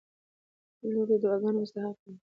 • لور د دعاګانو مستحقه وي.